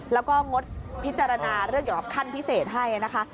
แล้วก็งดพิจารณาเรื่องขั้นพิเศษให้นะคะ